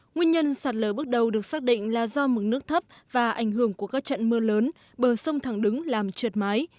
nguyên nhân sạt lở bước đầu được xác định là do mực nước thấp và ảnh hưởng của các trận mưa lớn bờ sông thẳng đứng làm trượt mái